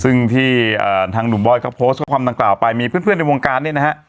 ซึ่งที่ทางหนุ่มบอยเค้าโพสต์ความต่างออกไปมีเพื่อนในวงการเนี่ยนะฮะ